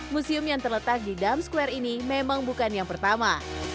museum yang terletak di dam square ini memang bukan yang pertama